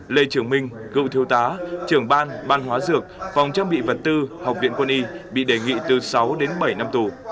lê trường minh cựu thiếu tá trưởng ban ban hóa dược phòng trang bị vật tư học viện quân y bị đề nghị từ sáu đến bảy năm tù